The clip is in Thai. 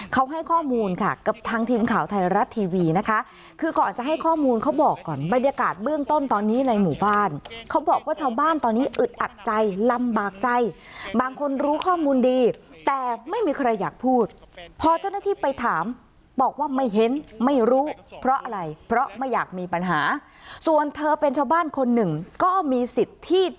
เขาให้ข้อมูลค่ะกับทางทีมข่าวไทยรัฐทีวีนะคะคือก่อนจะให้ข้อมูลเขาบอกก่อนบรรยากาศเบื้องต้นตอนนี้ในหมู่บ้านเขาบอกว่าชาวบ้านตอนนี้อึดอัดใจลำบากใจบางคนรู้ข้อมูลดีแต่ไม่มีใครอยากพูดพอเจ้าหน้าที่ไปถามบอกว่าไม่เห็นไม่รู้เพราะอะไรเพราะไม่อยากมีปัญหาส่วนเธอเป็นชาวบ้านคนหนึ่งก็มีสิทธิ